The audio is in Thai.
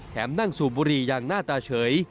นั่งสูบบุหรี่อย่างหน้าตาเฉย